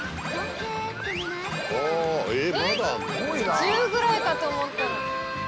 １０くらいかと思ったら。